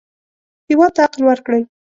هېواد ته عقل ورکړئ